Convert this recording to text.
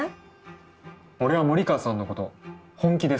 俺は森川さんのこと本気ですから。